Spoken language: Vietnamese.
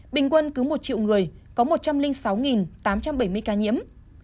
bình quân cứ một triệu người có một trăm linh sáu tám trăm bảy mươi ca nhiễm